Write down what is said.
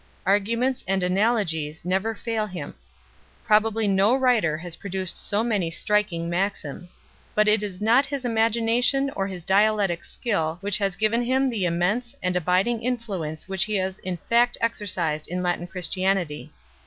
Arguments and analo gies never fail him. Probably no writer has produced so many striking maxims. But it is not his imagination or his dialectic skill which has given him the immense and abiding influence which he has in fact exercised in Latin Christianity.